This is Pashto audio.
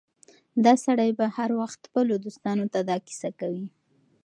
دا سړی به هر وخت خپلو دوستانو ته دا کيسه کوي.